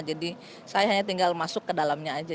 jadi saya hanya tinggal masuk ke dalamnya aja